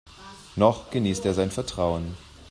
Noch genießt er sein Vertrauen.